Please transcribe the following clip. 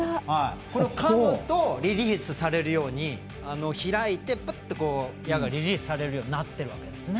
これをかむとリリースされるように開いて矢がリリースされるようになっているわけですね。